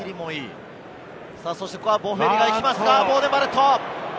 ここはボフェリが行きますが、ボーデン・バレット。